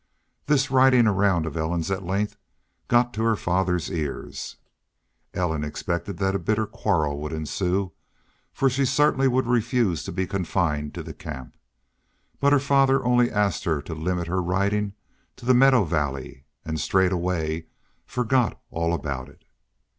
This riding around of Ellen's at length got to her father's ears. Ellen expected that a bitter quarrel would ensue, for she certainly would refuse to be confined to the camp; but her father only asked her to limit her riding to the meadow valley, and straightway forgot all about it.